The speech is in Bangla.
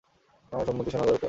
আমার সম্মতি শোনা দরকার।